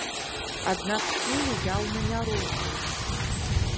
Аднак сілы яўна няроўныя.